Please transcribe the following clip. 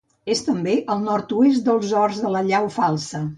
És també al nord-oest dels Horts de Llau Falsa.